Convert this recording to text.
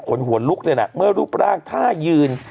หัวลุกเลยนะเมื่อรูปร่างท่ายืน